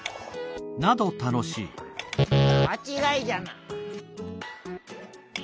「まちがいじゃな」。